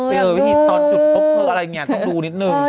พยายามวางวิธีตอดอยู่เรือหรืออะไรอย่างนี่ต้องดูนิดหนึ่ง